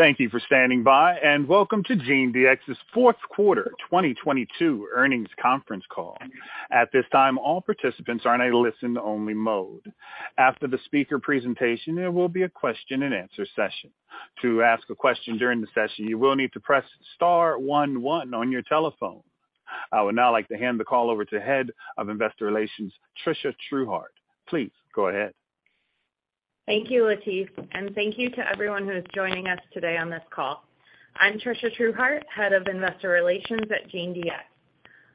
Thank you for standing by. Welcome to GeneDx's fourth quarter 2022 earnings conference call. At this time, all participants are in a listen only mode. After the speaker presentation, there will be a question-and-answer session. To ask a question during the session, you will need to press star one one on your telephone. I would now like to hand the call over to Head of Investor Relations, Tricia Trueheart. Please go ahead. Thank you, Latif, and thank you to everyone who is joining us today on this call. I'm Tricia Trueheart, Head of Investor Relations at GeneDx.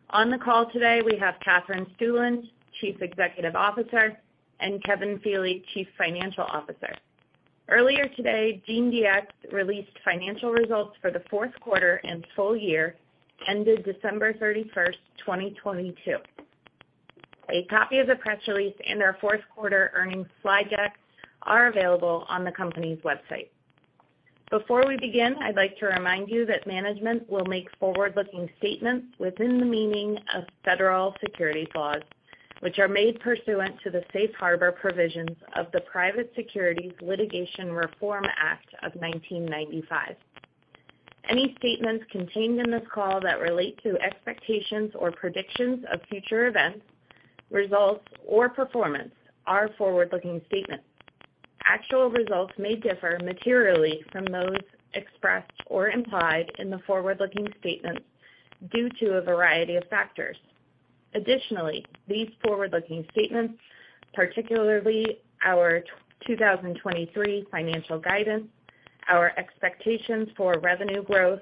On the call today, we have Katherine Stueland, Chief Executive Officer, and Kevin Feeley, Chief Financial Officer. Earlier today, GeneDx released financial results for the fourth quarter and full year ended December 31st, 2022. A copy of the press release and our fourth quarter earnings slide deck are available on the company's website. Before we begin, I'd like to remind you that management will make forward-looking statements within the meaning of federal securities laws, which are made pursuant to the Safe Harbor provisions of the Private Securities Litigation Reform Act of 1995. Any statements contained in this call that relate to expectations or predictions of future events, results, or performance are forward-looking statements. Actual results may differ materially from those expressed or implied in the forward-looking statements due to a variety of factors. Additionally, these forward-looking statements, particularly our 2023 financial guidance, our expectations for revenue growth,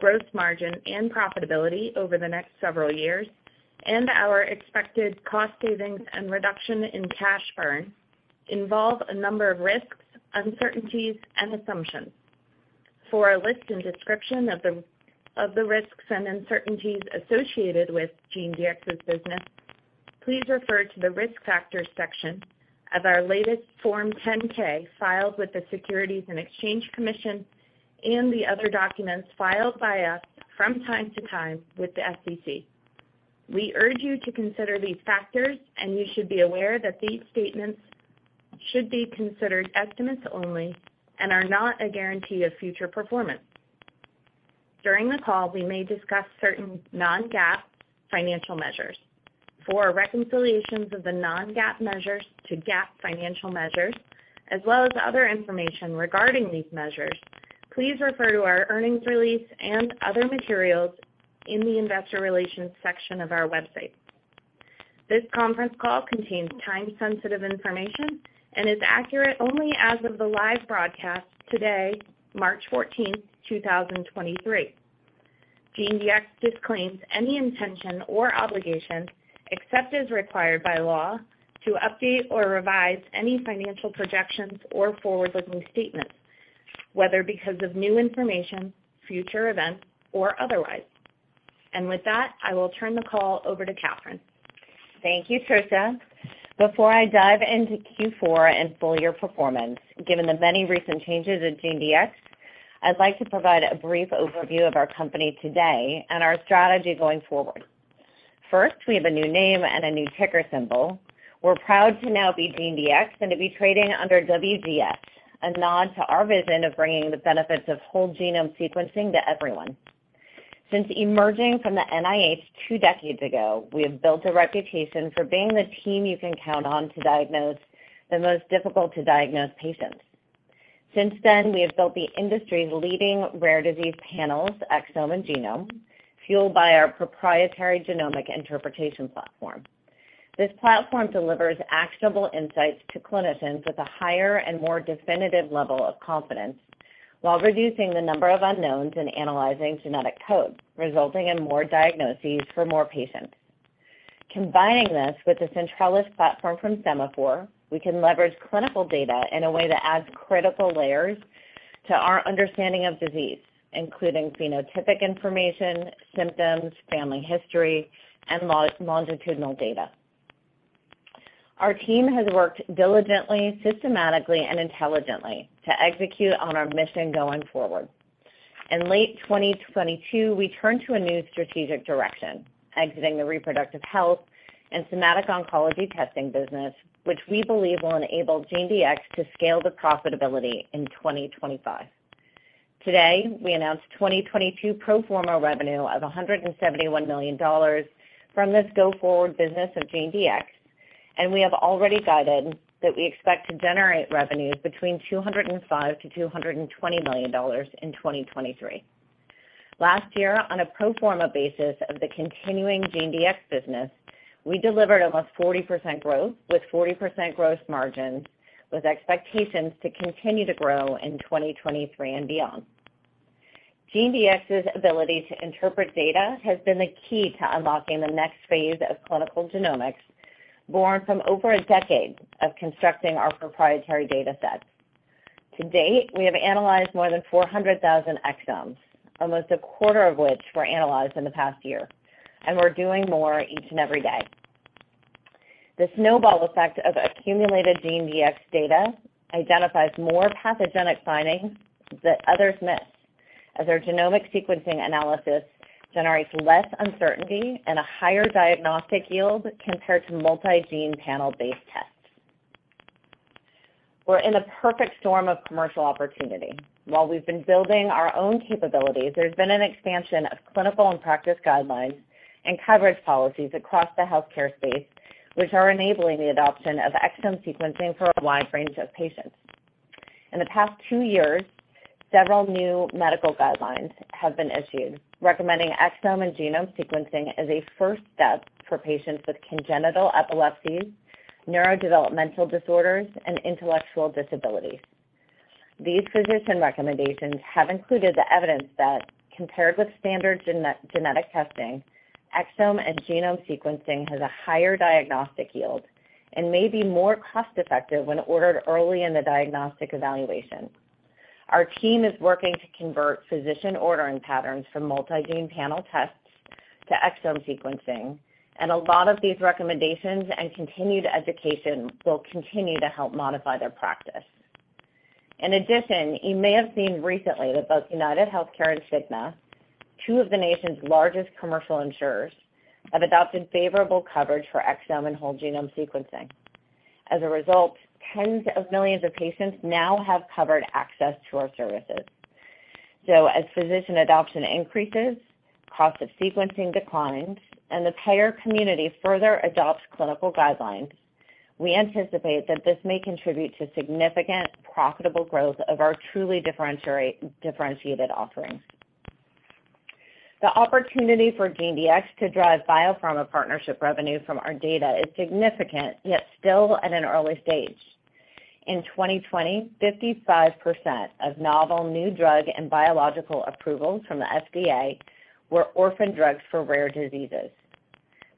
gross margin, and profitability over the next several years, and our expected cost savings and reduction in cash burn, involve a number of risks, uncertainties, and assumptions. For a list and description of the risks and uncertainties associated with GeneDx's business, please refer to the Risk Factors section of our latest Form 10-K filed with the Securities and Exchange Commission and the other documents filed by us from time to time with the SEC. We urge you to consider these factors, and you should be aware that these statements should be considered estimates only and are not a guarantee of future performance. During the call, we may discuss certain non-GAAP financial measures. For reconciliations of the non-GAAP measures to GAAP financial measures, as well as other information regarding these measures, please refer to our earnings release and other materials in the Investor Relations section of our website. This conference call contains time-sensitive information and is accurate only as of the live broadcast today, March 14th, 2023. GeneDx disclaims any intention or obligation, except as required by law, to update or revise any financial projections or forward-looking statements, whether because of new information, future events, or otherwise. With that, I will turn the call over to Katherine. Thank you, Tricia. Before I dive into Q4 and full year performance, given the many recent changes at GeneDx, I'd like to provide a brief overview of our company today and our strategy going forward. First, we have a new name and a new ticker symbol. We're proud to now be GeneDx and to be trading under WGX, a nod to our vision of bringing the benefits of whole-genome sequencing to everyone. Since emerging from the NIH two decades ago, we have built a reputation for being the team you can count on to diagnose the most difficult to diagnose patients. Since then, we have built the industry's leading rare disease panels, Exome and Genome, fueled by our proprietary genomic interpretation platform. This platform delivers actionable insights to clinicians with a higher and more definitive level of confidence while reducing the number of unknowns in analyzing genetic code, resulting in more diagnoses for more patients. Combining this with the Centrellis platform from Sema4, we can leverage clinical data in a way that adds critical layers to our understanding of disease, including phenotypic information, symptoms, family history, and longitudinal data. Our team has worked diligently, systematically, and intelligently to execute on our mission going forward. In late 2022, we turned to a new strategic direction, exiting the reproductive health and somatic oncology testing business, which we believe will enable GeneDx to scale to profitability in 2025. Today, we announced 2022 pro forma revenue of $171 million from this go-forward business of GeneDx. We have already guided that we expect to generate revenues between $205 million-$220 million in 2023. Last year, on a pro forma basis of the continuing GeneDx business, we delivered almost 40% growth with 40% gross margin, with expectations to continue to grow in 2023 and beyond. GeneDx's ability to interpret data has been the key to unlocking the next phase of clinical genomics, born from over a decade of constructing our proprietary datasets. To date, we have analyzed more than 400,000 exomes, almost a quarter of which were analyzed in the past year, and we're doing more each and every day. The snowball effect of accumulated GeneDx data identifies more pathogenic findings that others miss, as our genomic sequencing analysis generates less uncertainty and a higher diagnostic yield compared to multi-gene panel-based tests. We're in a perfect storm of commercial opportunity. While we've been building our own capabilities, there's been an expansion of clinical and practice guidelines and coverage policies across the healthcare space, which are enabling the adoption of exome sequencing for a wide range of patients. In the past two years, several new medical guidelines have been issued, recommending exome and genome sequencing as a first step for patients with congenital epilepsies, neurodevelopmental disorders, and intellectual disabilities. These physician recommendations have included the evidence that compared with standard genetic testing, exome and genome sequencing has a higher diagnostic yield and may be more cost-effective when ordered early in the diagnostic evaluation. Our team is working to convert physician ordering patterns from multi-gene panel tests to exome sequencing. A lot of these recommendations and continued education will continue to help modify their practice. In addition, you may have seen recently that both UnitedHealthcare and Cigna, two of the nation's largest commercial insurers, have adopted favorable coverage for exome and whole-genome sequencing. As a result, tens of millions of patients now have covered access to our services. As physician adoption increases, cost of sequencing declines, and the payer community further adopts clinical guidelines, we anticipate that this may contribute to significant profitable growth of our truly differentiated offerings. The opportunity for GeneDx to drive biopharma partnership revenue from our data is significant, yet still at an early stage. In 2020, 55% of novel new drug and biological approvals from the FDA were orphan drugs for rare diseases.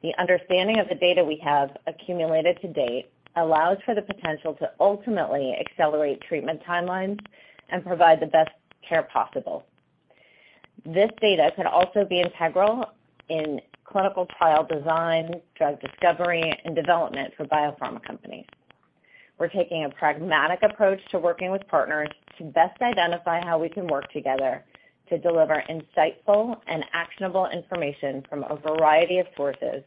The understanding of the data we have accumulated to date allows for the potential to ultimately accelerate treatment timelines and provide the best care possible. This data could also be integral in clinical trial design, drug discovery, and development for biopharma companies. We're taking a pragmatic approach to working with partners to best identify how we can work together to deliver insightful and actionable information from a variety of sources.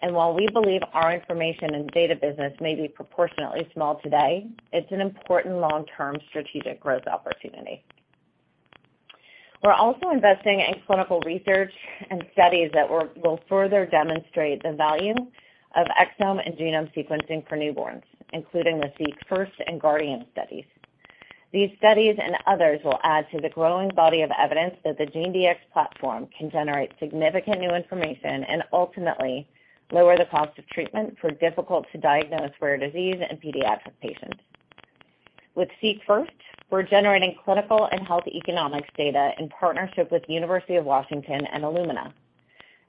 While we believe our information and data business may be proportionately small today, it's an important long-term strategic growth opportunity. We're also investing in clinical research and studies that will further demonstrate the value of exome and genome sequencing for newborns, including the SeqFirst and GUARDIAN studies. These studies and others will add to the growing body of evidence that the GeneDx platform can generate significant new information and ultimately lower the cost of treatment for difficult-to-diagnose rare disease in pediatric patients. With SeqFirst, we're generating clinical and health economics data in partnership with University of Washington and Illumina.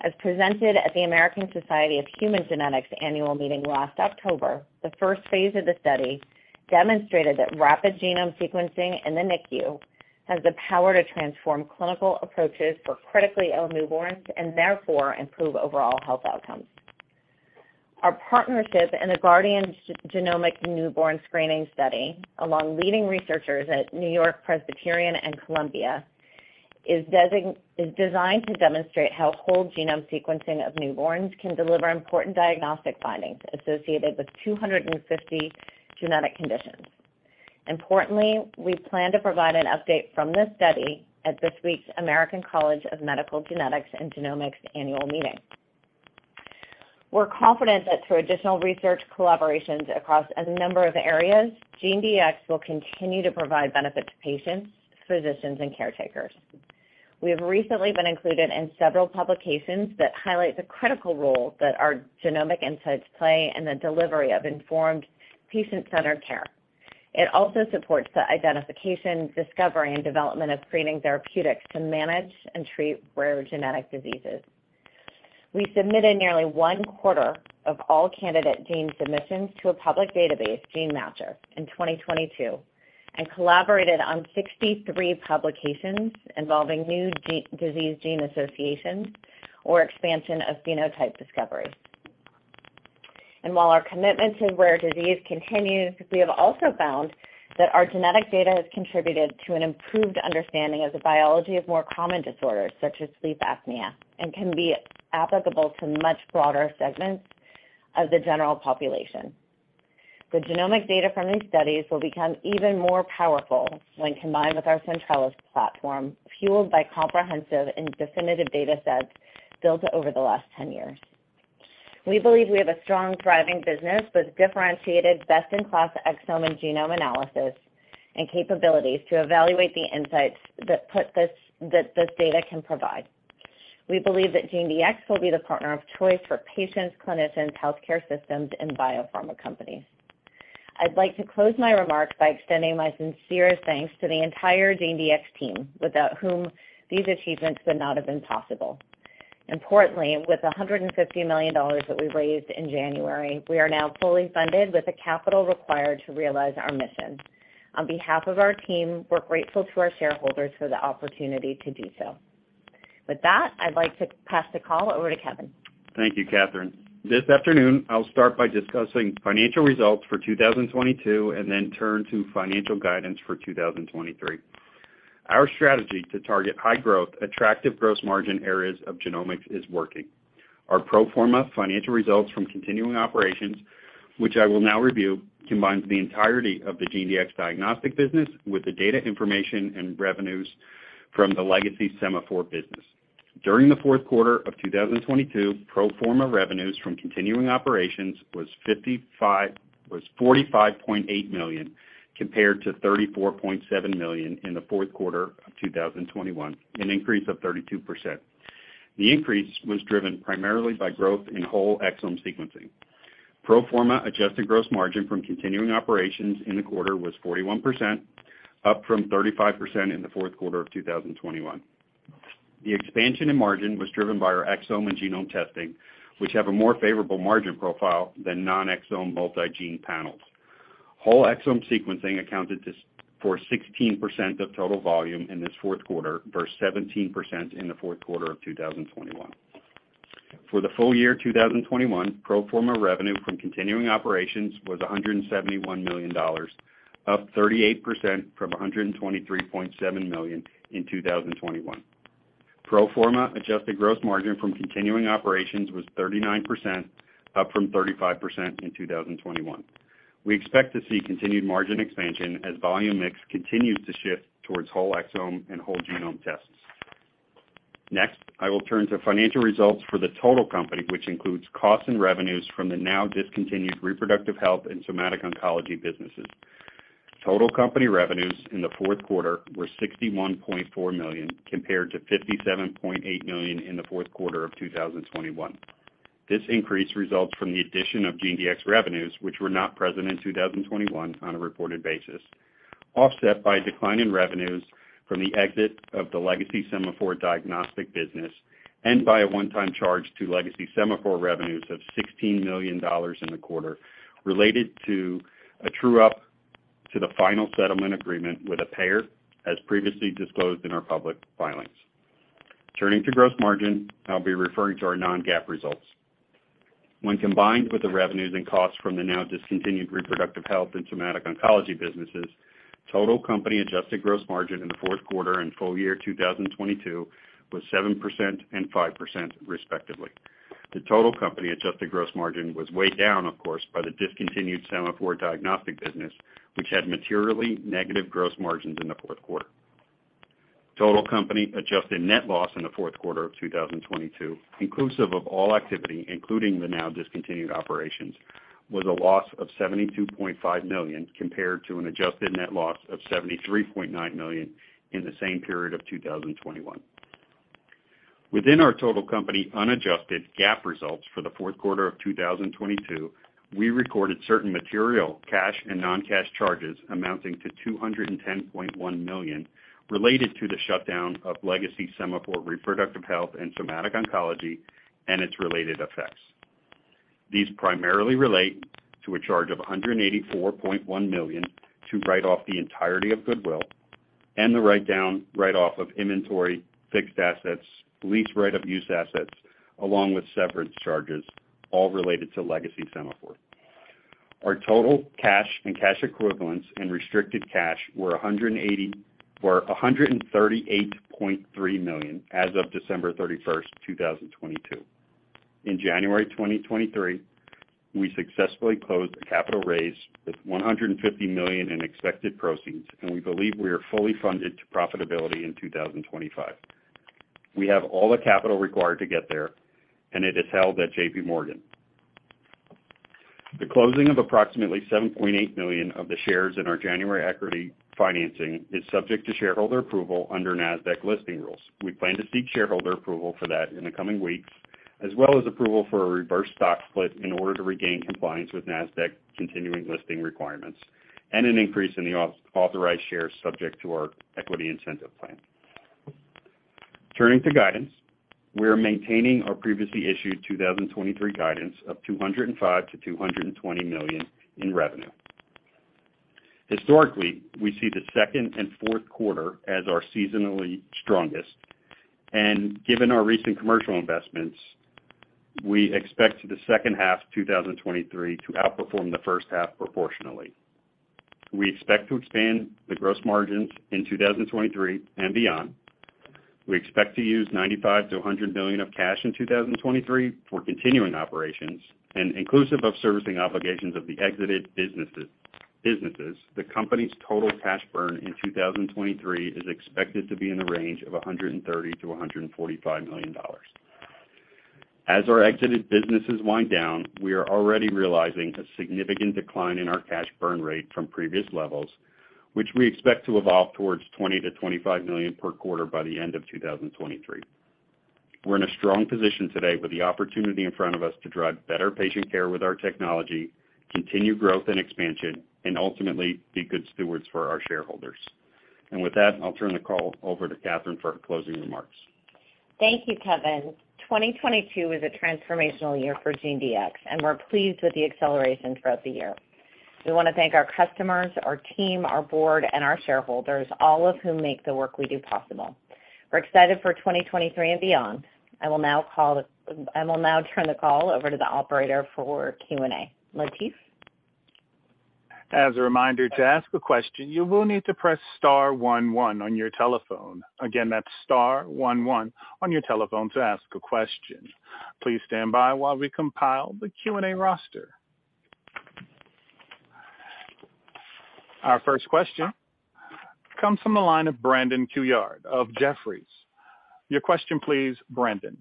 As presented at the American Society of Human Genetics annual meeting last October, the first phase of the study demonstrated that rapid genome sequencing in the NICU has the power to transform clinical approaches for critically ill newborns and therefore improve overall health outcomes. Our partnership in the GUARDIAN Genomic Newborn Screening Study, along leading researchers at NewYork-Presbyterian and Columbia, is designed to demonstrate how whole-genome sequencing of newborns can deliver important diagnostic findings associated with 250 genetic conditions. Importantly, we plan to provide an update from this study at this week's American College of Medical Genetics and Genomics annual meeting. We're confident that through additional research collaborations across a number of areas, GeneDx will continue to provide benefit to patients, physicians, and caretakers. We have recently been included in several publications that highlight the critical role that our genomic insights play in the delivery of informed patient-centered care. It also supports the identification, discovery, and development of screening therapeutics to manage and treat rare genetic diseases. We submitted nearly one-quarter of all candidate gene submissions to a public database, GeneMatcher, in 2022, and collaborated on 63 publications involving new disease gene associations or expansion of phenotype discovery. While our commitment to rare disease continues, we have also found that our genetic data has contributed to an improved understanding of the biology of more common disorders, such as sleep apnea, and can be applicable to much broader segments of the general population. The genomic data from these studies will become even more powerful when combined with our Centrellis platform, fueled by comprehensive and definitive data sets built over the last 10 years. We believe we have a strong, thriving business with differentiated best-in-class exome and genome analysis and capabilities to evaluate the insights that this data can provide. We believe that GeneDx will be the partner of choice for patients, clinicians, healthcare systems, and biopharma companies. I'd like to close my remarks by extending my sincere thanks to the entire GeneDx team, without whom these achievements would not have been possible. Importantly, with the $150 million that we raised in January, we are now fully funded with the capital required to realize our mission. On behalf of our team, we're grateful to our shareholders for the opportunity to do so. With that, I'd like to pass the call over to Kevin. Thank you, Katherine. This afternoon, I'll start by discussing financial results for 2022 and then turn to financial guidance for 2023. Our strategy to target high growth, attractive gross margin areas of genomics is working. Our pro forma financial results from continuing operations, which I will now review, combines the entirety of the GeneDx diagnostic business with the data information and revenues from the Legacy Sema4 business. During the fourth quarter of 2022, pro forma revenues from continuing operations was $45.8 million, compared to $34.7 million in the fourth quarter of 2021, an increase of 32%. The increase was driven primarily by growth in whole exome sequencing. Pro forma adjusted gross margin from continuing operations in the quarter was 41%, up from 35% in the fourth quarter of 2021. The expansion in margin was driven by our exome and genome testing, which have a more favorable margin profile than non-exome multi-gene panels. Whole exome sequencing accounted for 16% of total volume in this fourth quarter versus 17% in the fourth quarter of 2021. For the full year 2021, pro forma revenue from continuing operations was $171 million, up 38% from $123.7 million in 2021. Pro forma adjusted gross margin from continuing operations was 39%, up from 35% in 2021. We expect to see continued margin expansion as volume mix continues to shift towards whole exome and whole genome tests. Next, I will turn to financial results for the total company, which includes costs and revenues from the now discontinued reproductive health and somatic oncology businesses. Total company revenues in the fourth quarter were $61.4 million, compared to $57.8 million in the fourth quarter of 2021. This increase results from the addition of GeneDx revenues, which were not present in 2021 on a reported basis, offset by a decline in revenues from the exit of the Legacy Sema4 diagnostic business and by a one-time charge to Legacy Sema4 revenues of $16 million in the quarter related to a true-up to the final settlement agreement with a payer, as previously disclosed in our public filings. Turning to gross margin, I'll be referring to our non-GAAP results. When combined with the revenues and costs from the now discontinued reproductive health and somatic oncology businesses, total company adjusted gross margin in the fourth quarter and full year 2022 was 7% and 5%, respectively. The total company adjusted gross margin was weighed down, of course, by the discontinued Sema4 diagnostic business, which had materially negative gross margins in the fourth quarter. Total company adjusted net loss in the fourth quarter of 2022, inclusive of all activity, including the now discontinued operations, was a loss of $72.5 million, compared to an adjusted net loss of $73.9 million in the same period of 2021. Within our total company unadjusted GAAP results for the fourth quarter of 2022, we recorded certain material cash and non-cash charges amounting to $210.1 million related to the shutdown of Legacy Sema4 reproductive health and somatic oncology and its related effects. These primarily relate to a charge of $184.1 million to write off the entirety of goodwill and the write-down, write-off of inventory, fixed assets, lease right-of-use assets, along with severance charges, all related to Legacy Sema4. Our total cash and cash equivalents and restricted cash were $138.3 million as of December 31st, 2022. In January 2023, we successfully closed a capital raise with $150 million in expected proceeds, and we believe we are fully funded to profitability in 2025. We have all the capital required to get there, and it is held at JPMorgan. The closing of approximately 7.8 million of the shares in our January equity financing is subject to shareholder approval under Nasdaq listing rules. We plan to seek shareholder approval for that in the coming weeks, as well as approval for a reverse stock split in order to regain compliance with Nasdaq continuing listing requirements and an increase in the authorized shares subject to our equity incentive plan. Turning to guidance, we are maintaining our previously issued 2023 guidance of $205 million-$220 million in revenue. Historically, we see the second and fourth quarter as our seasonally strongest. Given our recent commercial investments, we expect the second half 2023 to outperform the first half proportionally. We expect to expand the gross margins in 2023 and beyond. We expect to use $95 million-$100 million of cash in 2023 for continuing operations. Inclusive of servicing obligations of the exited businesses, the company's total cash burn in 2023 is expected to be in the range of $130 million-$145 million. As our exited businesses wind down, we are already realizing a significant decline in our cash burn rate from previous levels, which we expect to evolve towards $20 million-$25 million per quarter by the end of 2023. We're in a strong position today with the opportunity in front of us to drive better patient care with our technology, continue growth and expansion, and ultimately, be good stewards for our shareholders. With that, I'll turn the call over to Katherine for closing remarks. Thank you, Kevin. 2022 was a transformational year for GeneDx, and we're pleased with the acceleration throughout the year. We want to thank our customers, our team, our board, and our shareholders, all of whom make the work we do possible. We're excited for 2023 and beyond. I will now turn the call over to the operator for Q&A. Latif? As a reminder, to ask a question, you will need to press star one one on your telephone. Again, that's star one one on your telephone to ask a question. Please stand by while we compile the Q&A roster. Our first question comes from the line of Brandon Couillard of Jefferies. Your question please, Brandon.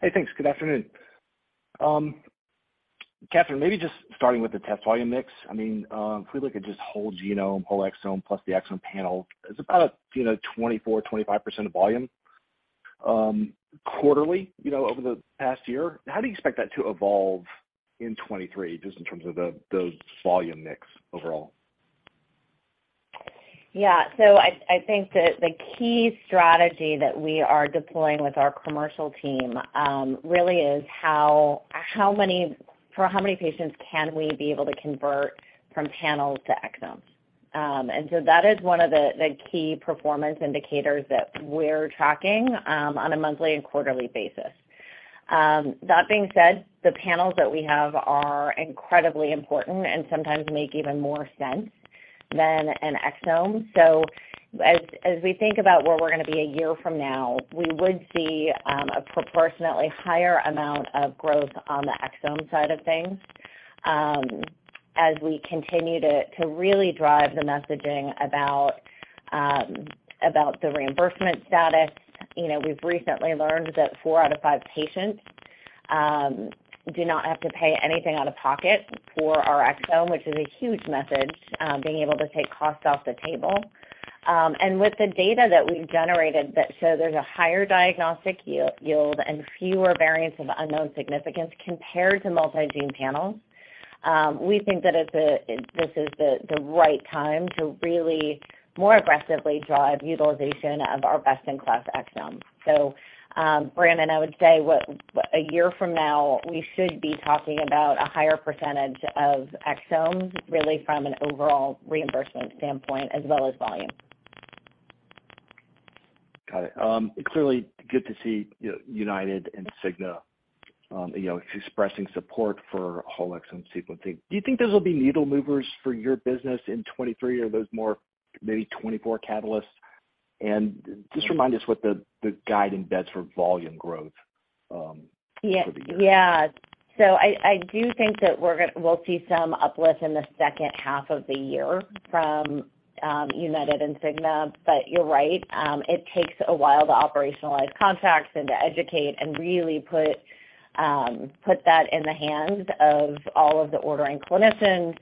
Hey, thanks. Good afternoon. Katherine, maybe just starting with the test volume mix. I mean, if we look at just whole genome, whole exome plus the exome panel, it's about, you know, 24%-25% of volume, quarterly, you know, over the past year. How do you expect that to evolve in 2023 just in terms of the volume mix overall? Yeah. I think that the key strategy that we are deploying with our commercial team, really is for how many patients can we be able to convert from panels to exomes. That is one of the key performance indicators that we're tracking, on a monthly and quarterly basis. That being said, the panels that we have are incredibly important and sometimes make even more sense than an exome. As, as we think about where we're gonna be a year from now, we would see, a proportionately higher amount of growth on the exome side of things, as we continue to really drive the messaging about the reimbursement status. You know, we've recently learned that four out of five patients do not have to pay anything out of pocket for our exome, which is a huge message, being able to take costs off the table. With the data that we've generated that show there's a higher diagnostic yield and fewer variants of unknown significance compared to multi-gene panels, we think that this is the right time to really more aggressively drive utilization of our best-in-class exomes. Brandon, I would say what, a year from now, we should be talking about a higher percentage of exomes, really from an overall reimbursement standpoint as well as volume. Got it. It's clearly good to see, you know, UnitedHealthcare and Cigna, you know, expressing support for whole exome sequencing. Do you think those will be needle movers for your business in 2023, or are those more maybe 2024 catalysts? Just remind us what the guiding bets for volume growth for the year. Yeah. I do think that we'll see some uplift in the second half of the year from UnitedHealthcare and Cigna. You're right, it takes a while to operationalize contracts and to educate and really put that in the hands of all of the ordering clinicians.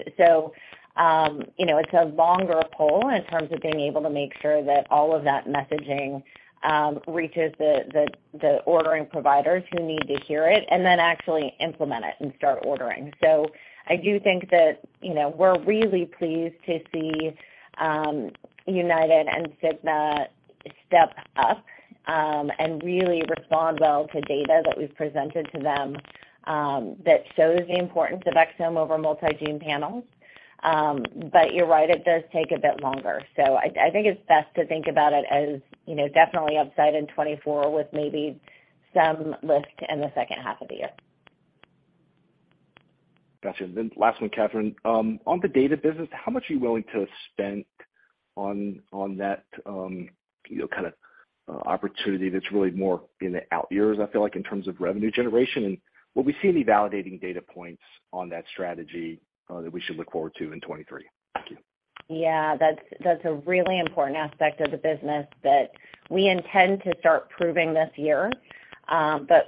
You know, it's a longer pull in terms of being able to make sure that all of that messaging reaches the, the ordering providers who need to hear it and then actually implement it and start ordering. I do think that, you know, we're really pleased to see UnitedHealthcare and Cigna step up and really respond well to data that we've presented to them that shows the importance of exome over multi-gene panels. You're right, it does take a bit longer. I think it's best to think about it as, you know, definitely upside in 2024 with maybe some lift in the second half of the year. Gotcha. Last one, Katherine. on the data business, how much are you willing to spend on that, you know, kind of, opportunity that's really more in the out years, I feel like, in terms of revenue generation? Will we see any validating data points on that strategy, that we should look forward to in 2023? Thank you. Yeah, that's a really important aspect of the business that we intend to start proving this year.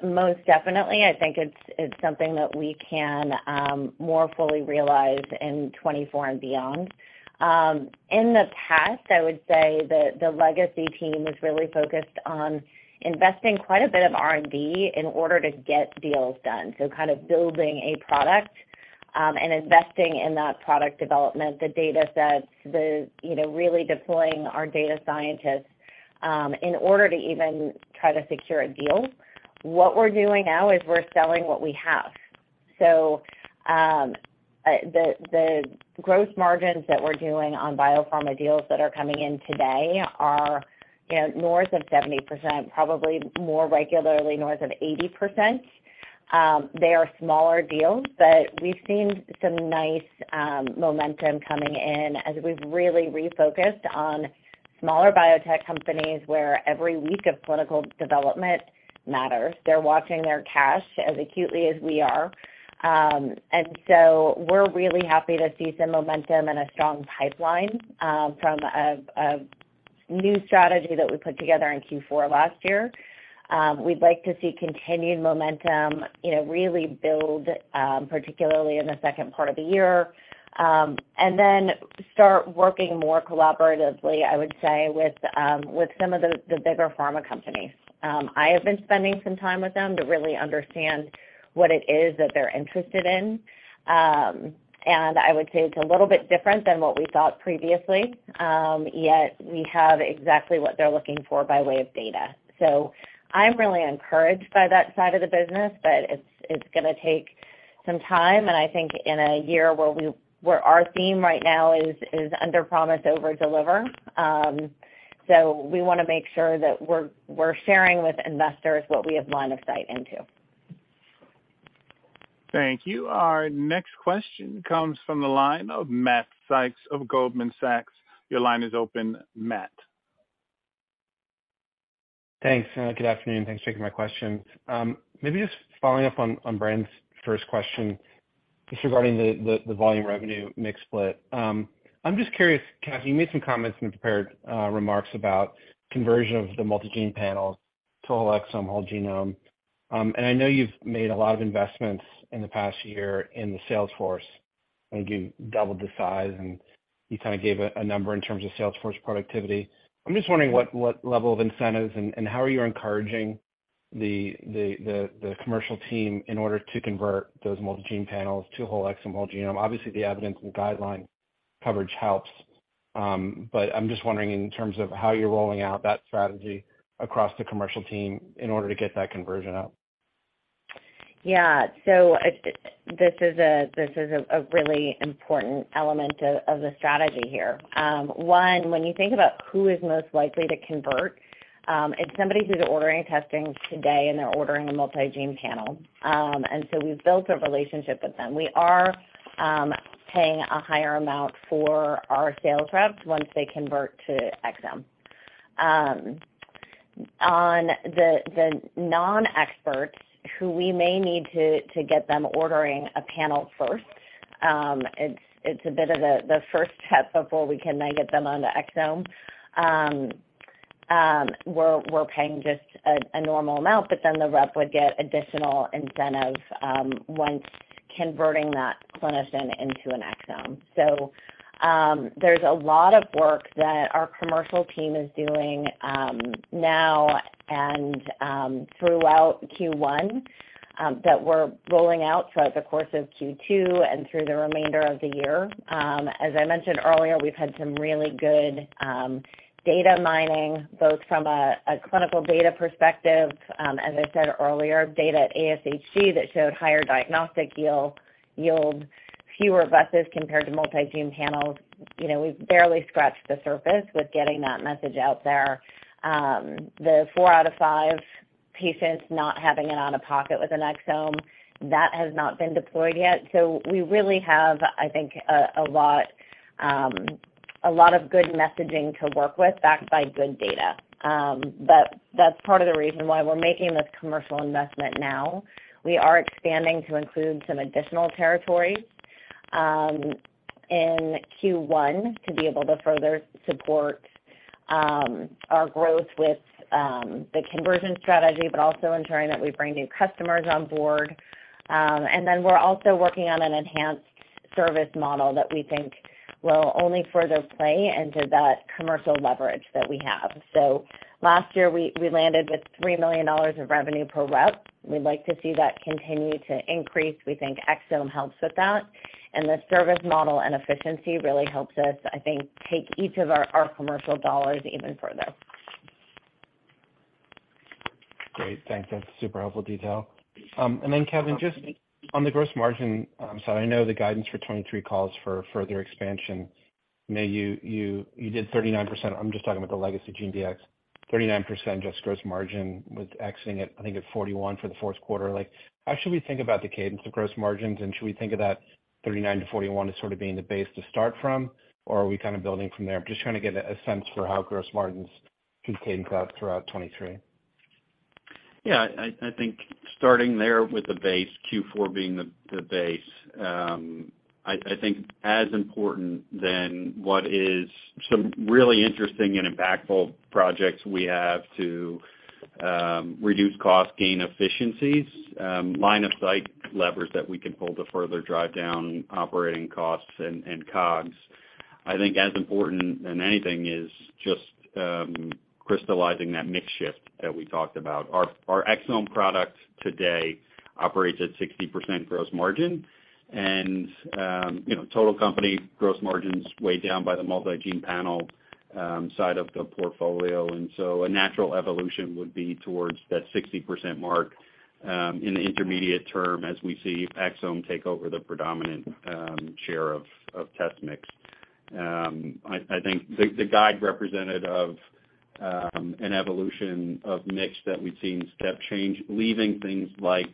Most definitely, I think it's something that we can more fully realize in 2024 and beyond. In the past, I would say the Legacy team was really focused on investing quite a bit of R&D in order to get deals done. Kind of building a product, and investing in that product development, the data sets, you know, really deploying our data scientists in order to even try to secure a deal. What we're doing now is we're selling what we have. The gross margins that we're doing on biopharma deals that are coming in today are, you know, north of 70%, probably more regularly north of 80%. They are smaller deals, but we've seen some nice momentum coming in as we've really refocused on smaller biotech companies, where every week of clinical development matters. They're watching their cash as acutely as we are. We're really happy to see some momentum and a strong pipeline from a new strategy that we put together in Q4 last year. We'd like to see continued momentum, you know, really build particularly in the second part of the year, and then start working more collaboratively, I would say, with some of the bigger pharma companies. I have been spending some time with them to really understand what it is that they're interested in. I would say it's a little bit different than what we thought previously, yet we have exactly what they're looking for by way of data. I'm really encouraged by that side of the business, but it's gonna take some time, and I think in a year where our theme right now is under promise, over deliver. We wanna make sure that we're sharing with investors what we have line of sight into. Thank you. Our next question comes from the line of Matt Sykes of Goldman Sachs. Your line is open, Matt. Thanks. Good afternoon, and thanks for taking my question. Maybe just following up on Brandon's first question, just regarding the volume revenue mix split. I'm just curious, Katherine, you made some comments in the prepared remarks about conversion of the multigene panels to whole exome, whole genome. I know you've made a lot of investments in the past year in the sales force, and you doubled the size, and you kinda gave a number in terms of sales force productivity. I'm just wondering what level of incentives and how are you encouraging the commercial team in order to convert those multigene panels to whole exome, whole genome? Obviously, the evidence and guideline coverage helps, but I'm just wondering in terms of how you're rolling out that strategy across the commercial team in order to get that conversion up. Yeah. This is a really important element of the strategy here. When you think about who is most likely to convert, it's somebody who's ordering testing today, and they're ordering a multigene panel. We've built a relationship with them. We are paying a higher amount for our sales reps once they convert to exome. On the non-experts who we may need to get them ordering a panel first, it's a bit of the first step before we can now get them onto exome. We're paying just a normal amount, but then the rep would get additional incentive once converting that clinician into an exome. There's a lot of work that our commercial team is doing now and throughout Q1 that we're rolling out throughout the course of Q2 and through the remainder of the year. As I mentioned earlier, we've had some really good data mining, both from a clinical data perspective, as I said earlier, data at ASHG that showed higher diagnostic yield, fewer bases compared to multigene panels. You know, we've barely scratched the surface with getting that message out there. The four out of five patients not having an out-of-pocket with an exome, that has not been deployed yet. We really have, I think, a lot of good messaging to work with backed by good data. That's part of the reason why we're making this commercial investment now. We are expanding to include some additional territories in Q1 to be able to further support our growth with the conversion strategy, but also ensuring that we bring new customers on board. We're also working on an enhanced service model that we think will only further play into that commercial leverage that we have. Last year, we landed with $3 million of revenue per rep. We'd like to see that continue to increase. We think exome helps with that, and the service model and efficiency really helps us, I think, take each of our commercial dollars even further. Great. Thanks. That's super helpful detail. Kevin, just on the gross margin, so I know the guidance for 23 calls for further expansion. I know you did 39%. I'm just talking about the Legacy GeneDx. 39% just gross margin with exiting at, I think at 41% for the fourth quarter. Like, how should we think about the cadence of gross margins, and should we think of that 39%-41% as sorta being the base to start from, or are we kinda building from there? I'm just trying to get a sense for how gross margins should cadence out throughout 23. Yeah. I think starting there with the base, Q4 being the base, I think as important than what is some really interesting and impactful projects we have to reduce costs, gain efficiencies, line of sight levers that we can pull to further drive down operating costs and COGS. I think as important than anything is just crystallizing that mix shift that we talked about. Our exome product today operates at 60% gross margin and, you know, total company gross margins weighed down by the multigene panel side of the portfolio. A natural evolution would be towards that 60% mark in the intermediate term as we see exome take over the predominant share of test mix. I think the guide represented of an evolution of mix that we've seen step change, leaving things like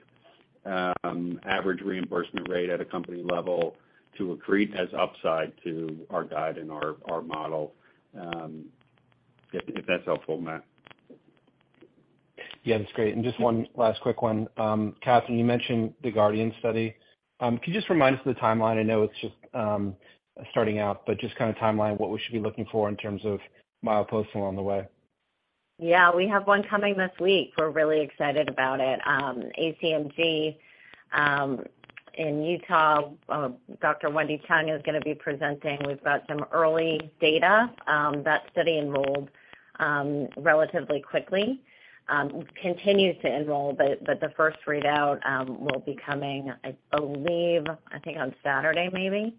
average reimbursement rate at a company level to accrete as upside to our guide and our model, if that's helpful, Matt. Yeah, that's great. Just one last quick one. Kathy, you mentioned the GUARDIAN study. Can you just remind us of the timeline? I know it's just starting out, but just kind of timeline what we should be looking for in terms of mileposts along the way. Yeah. We have one coming this week. We're really excited about it. ACMG in Utah, Dr. Wendy Chung is gonna be presenting. We've got some early data. That study enrolled relatively quickly. continues to enroll, but the first readout will be coming, I believe, I think on Saturday maybe.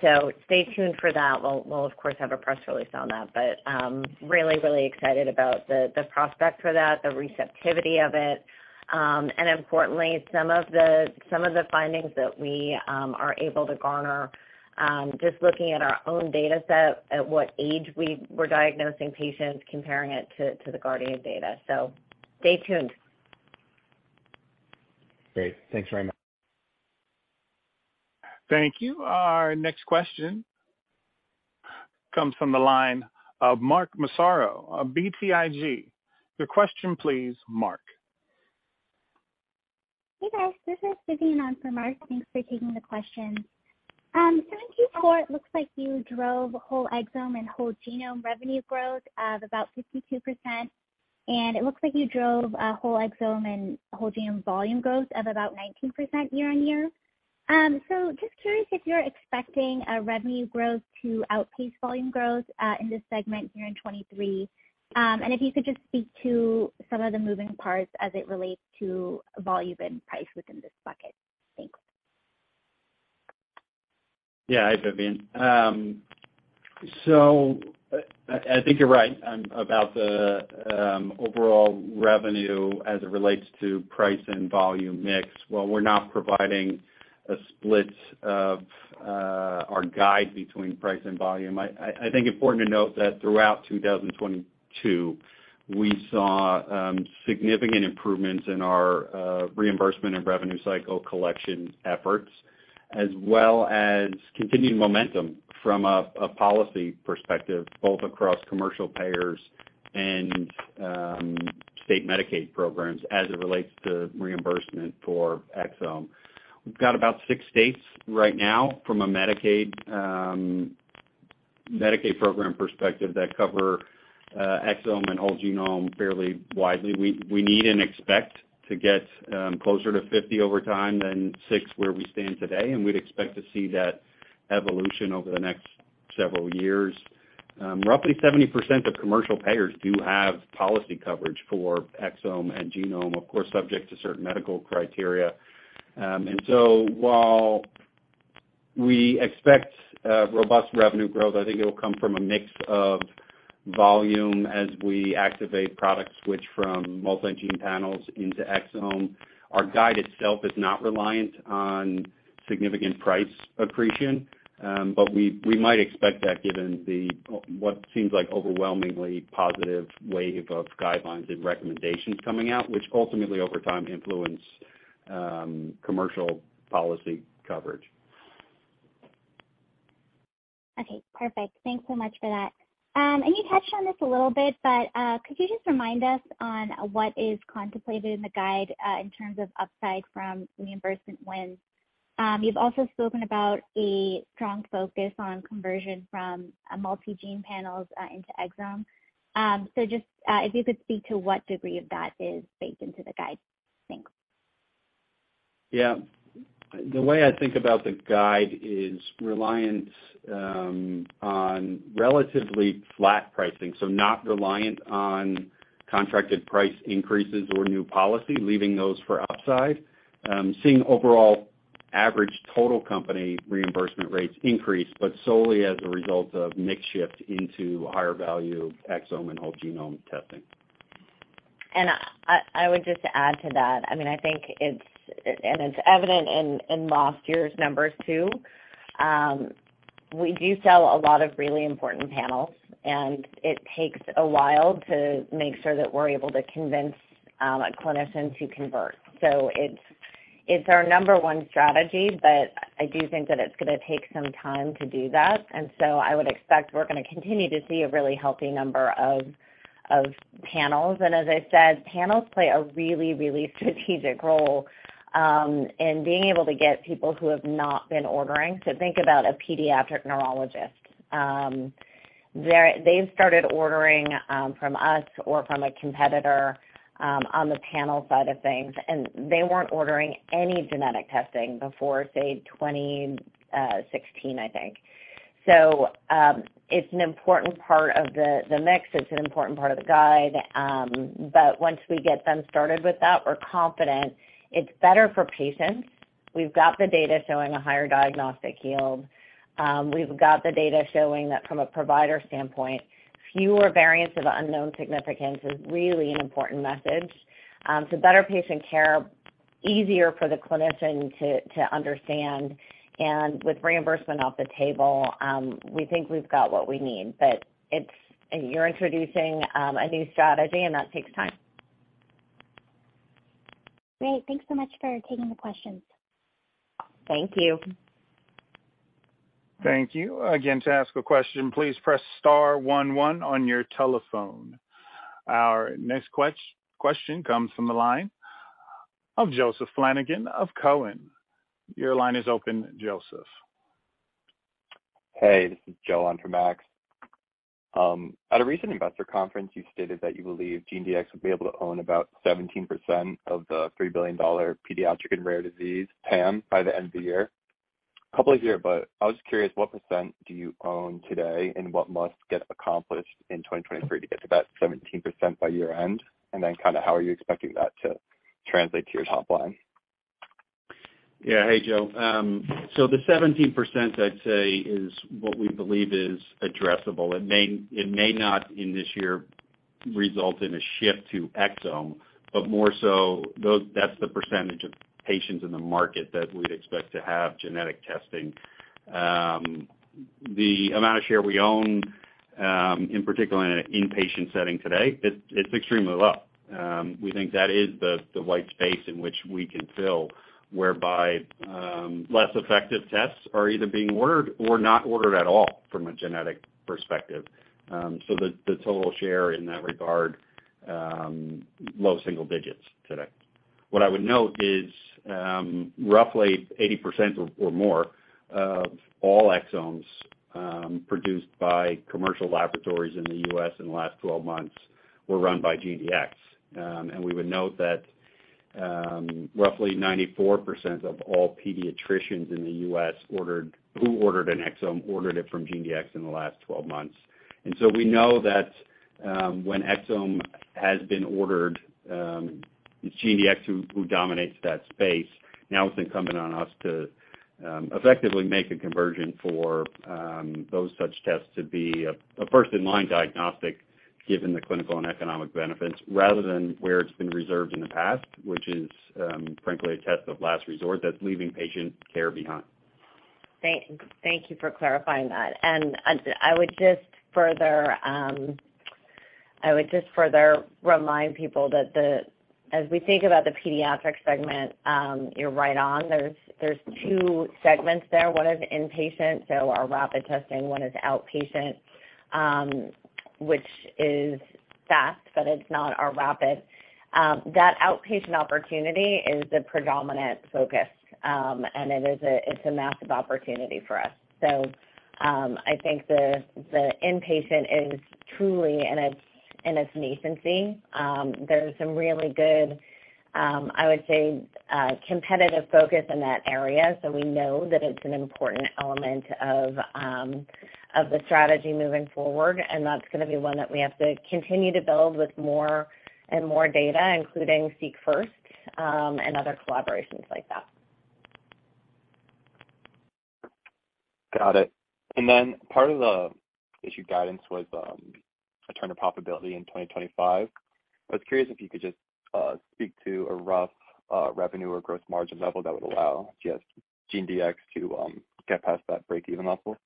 So stay tuned for that. We'll of course have a press release on that, but really excited about the prospect for that, the receptivity of it. Importantly, some of the findings that we are able to garner just looking at our own data set at what age we were diagnosing patients, comparing it to the GUARDIAN data. So stay tuned. Great. Thanks very much. Thank you. Our next question comes from the line of Mark Massaro of BTIG. Your question, please, Mark. Hey, guys. This is Vidyun on for Mark. Thanks for taking the question. In Q4, it looks like you drove whole exome and whole genome revenue growth of about 52%, and it looks like you drove whole exome and whole genome volume growth of about 19% year-on-year. Just curious if you're expecting a revenue growth to outpace volume growth in this segment here in 2023. If you could just speak to some of the moving parts as it relates to volume and price within this bucket. Thanks. Hi, Vidyun. I think you're right on about the overall revenue as it relates to price and volume mix. While we're not providing a split of our guide between price and volume, I think important to note that throughout 2022, we saw significant improvements in our reimbursement and revenue cycle collection efforts, as well as continued momentum from a policy perspective, both across commercial payers and state Medicaid programs as it relates to reimbursement for exome. We've got about six states right now from a Medicaid, Medicaid program perspective that cover exome and whole genome fairly widely. We, we need and expect to get closer to 50 over time than six where we stand today, and we'd expect to see that evolution over the next several years. Roughly 70% of commercial payers do have policy coverage for exome and genome, of course, subject to certain medical criteria. While we expect robust revenue growth, I think it'll come from a mix of volume as we activate product switch from multi-gene panels into exome. Our guide itself is not reliant on significant price accretion, but we might expect that given what seems like overwhelmingly positive wave of guidelines and recommendations coming out, which ultimately over time influence commercial policy coverage. Okay. Perfect. Thanks so much for that. You touched on this a little bit, but could you just remind us on what is contemplated in the guide in terms of upside from reimbursement wins? You've also spoken about a strong focus on conversion from a multi-gene panels into exome. Just if you could speak to what degree of that is baked into the guide. Thanks. Yeah. The way I think about the guide is reliance on relatively flat pricing, so not reliant on contracted price increases or new policy, leaving those for upside. Seeing overall average total company reimbursement rates increase, but solely as a result of mix shift into higher value exome and whole-genome testing. I would just add to that. I mean, I think it's evident in last year's numbers too. We do sell a lot of really important panels, and it takes a while to make sure that we're able to convince a clinician to convert. It's our number one strategy, but I do think that it's gonna take some time to do that. I would expect we're gonna continue to see a really healthy number of panels. As I said, panels play a really strategic role in being able to get people who have not been ordering. Think about a pediatric neurologist. They've started ordering from us or from a competitor on the panel side of things, and they weren't ordering any genetic testing before, say, 2016, I think. It's an important part of the mix. It's an important part of the guide. Once we get them started with that, we're confident it's better for patients. We've got the data showing a higher diagnostic yield. We've got the data showing that from a provider standpoint, fewer variants of unknown significance is really an important message. Better patient care, easier for the clinician to understand. With reimbursement off the table, we think we've got what we need. You're introducing a new strategy, and that takes time. Great. Thanks so much for taking the questions. Thank you. Thank you. To ask a question, please press star one one on your telephone. Our next question comes from the line of Joseph Flanagan of Cowen. Your line is open, Joseph. Hey, this is Joseph on for Max. At a recent investor conference, you stated that you believe GeneDx will be able to own about 17% of the $3 billion pediatric and rare disease TAM by the end of the year. Couple of here, but I was just curious what percent do you own today, and what must get accomplished in 2023 to get to that 17% by year-end? How are you expecting that to translate to your top line? Yeah. Hey, Joseph. The 17% I'd say is what we believe is addressable. It may, it may not in this year result in a shift to exome, but more so that's the percentage of patients in the market that we'd expect to have genetic testing. The amount of share we own, in particular in an inpatient setting today, it's extremely low. We think that is the white space in which we can fill, whereby, less effective tests are either being ordered or not ordered at all from a genetic perspective. The total share in that regard, low single digits today. What I would note is, roughly 80% or more of all exomes, produced by commercial laboratories in the U.S. in the last 12 months were run by GeneDx. We would note that, roughly 94% of all pediatricians in the U.S. who ordered an exome, ordered it from GeneDx in the last 12 months. We know that, when exome has been ordered, it's GeneDx who dominates that space. It's incumbent on us to effectively make a conversion for those such tests to be a first in line diagnostic given the clinical and economic benefits, rather than where it's been reserved in the past, which is, frankly, a test of last resort that's leaving patient care behind. Thank you for clarifying that. I would just further remind people that as we think about the pediatric segment, you're right on. There're two segments there. One is Inpatient, so our rapid testing. One is Outpatient, which is fast, but it's not our rapid. That outpatient opportunity is the predominant focus. And it is a massive opportunity for us. So, I think the inpatient is truly in its nascency. There's some really good, I would say, competitive focus in that area. So, we know that it's an important element of the strategy moving forward, and that's gonna be one that we have to continue to build with more and more data, including SeqFirst, and other collaborations like that. Got it. Part of the issued guidance was a turn to profitability in 2025. I was curious if you could just speak to a rough revenue or gross margin level that would allow GeneDx to get past that break-even level.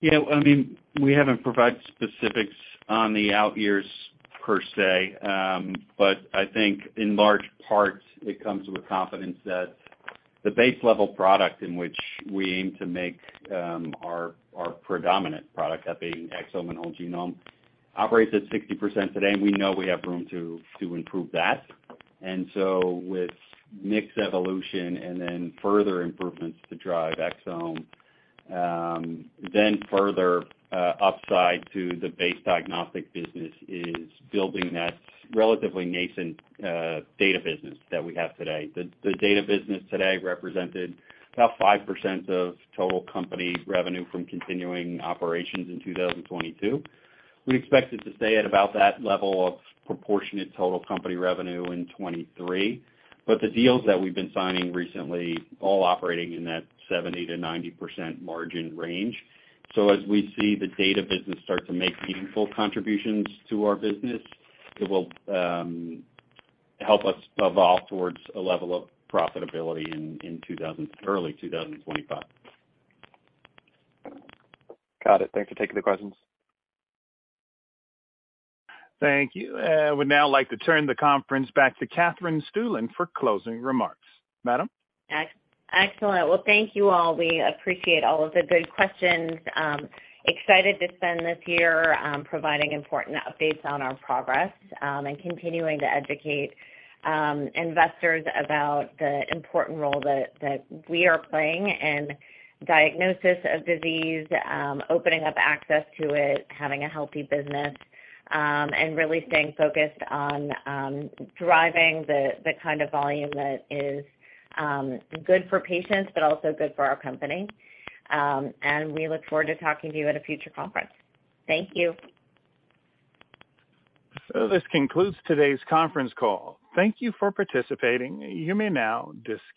Thanks. Yeah, I mean, we haven't provided specifics on the out years per se. I think in large parts, it comes with confidence that the base level product in which we aim to make our predominant product, that being exome and whole genome, operates at 60% today, and we know we have room to improve that. With mix evolution and further improvements to drive exome, further upside to the base diagnostic business is building that relatively nascent data business that we have today. The data business today represented about 5% of total company revenue from continuing operations in 2022. We expect it to stay at about that level of proportionate total company revenue in 2023. The deals that we've been signing recently, all operating in that 70%-90% margin range. As we see the data business start to make meaningful contributions to our business, it will help us evolve towards a level of profitability in early 2025. Got it. Thanks for taking the questions. Thank you. I would now like to turn the conference back to Katherine Stueland for closing remarks. Madam? Excellent. Well, thank you all. We appreciate all of the good questions. Excited to spend this year, providing important updates on our progress, and continuing to educate investors about the important role that we are playing in diagnosis of disease, opening up access to it, having a healthy business, and really staying focused on driving the kind of volume that is good for patients, but also good for our company. We look forward to talking to you at a future conference. Thank you. This concludes today's conference call. Thank you for participating. You may now disconnect.